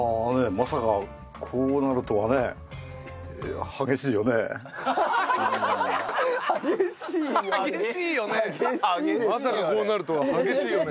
「まさかこうなるとは激しいよね」。